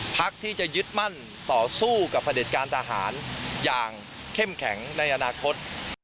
พักที่จะยึดมั่นต่อสู้กับประเด็จการทหารอย่างเข้มแข็งในอนาคต